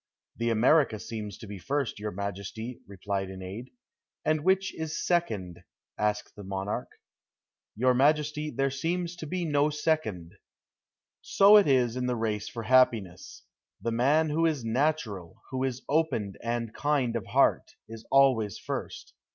"The America seems to be first, your majesty," replied an aide. "And which is second?" asked the monarch. "Your majesty, there seems to be no second." So it is in the race for happiness. The man who is natural, who is open and kind of heart, is always first.